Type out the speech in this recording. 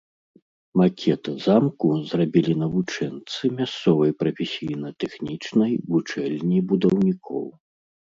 Макет замку зрабілі навучэнцы мясцовай прафесійна-тэхнічнай вучэльні будаўнікоў.